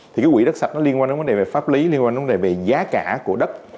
thì cái quỹ đất sạch nó liên quan đến vấn đề về pháp lý liên quan vấn đề về giá cả của đất